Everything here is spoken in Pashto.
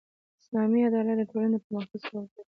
اسلامي عدالت د ټولني د پرمختګ سبب ګرځي.